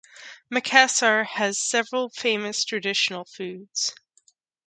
Makassar has several famous traditional foods.